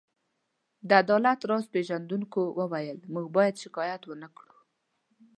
د عدالت راز پيژندونکو وویل: موږ باید شکایت ونه کړو.